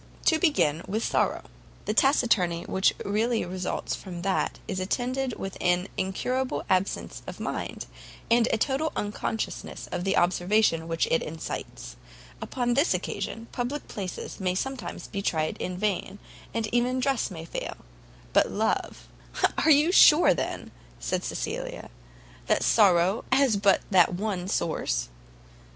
To begin with sorrow. The taciturnity which really results from that is attended with an incurable absence of mind, and a total unconsciousness of the observation which it excites; upon this occasion, public places may sometimes be tried in vain, and even dress may fail; but love " "Are you sure, then," said Cecilia, with a laugh, "that sorrow has but that one source?"